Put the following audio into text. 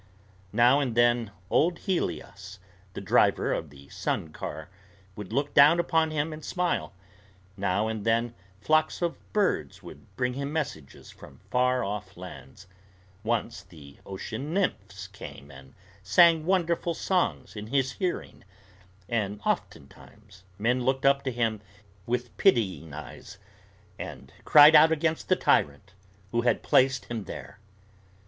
Now and then old Helios, the driver of the sun car, would look down upon him and smile; now and then flocks of birds would bring him messages from far off lands; once the ocean nymphs came and sang wonderful songs in his hearing; and oftentimes men looked up to him with pitying eyes, and cried out against the tyrant who had placed him there.